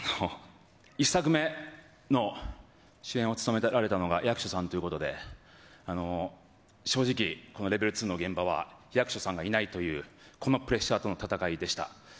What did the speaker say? １作目の主演を務められたのが役所さんということで、正直、このＬＥＶＥＬ２の現場は役所さんがいないという、このプレッシャーとの戦いでした。